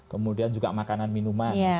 kemudian juga makanan minuman